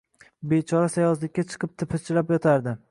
Bechora sayozlikka chiqib tipirchilab yotardi…